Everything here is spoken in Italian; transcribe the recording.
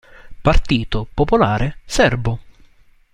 Partito Popolare Serbo